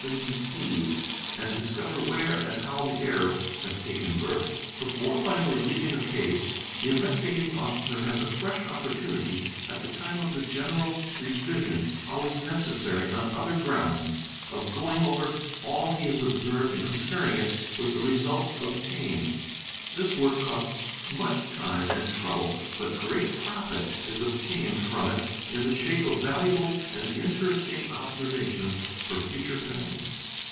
been deceived and discover where and how the error has taken birth. Before finally leaving a case the Investigating Officer has a fresh — opportunity at the time of the general revision, always necessary on — other grounds, of going over all he has observed and comparing it with ] the results obtained; this work costs much time and trouble but great — profit is obtained from it in the shape of valuable and interesting observ — ations for future guidance.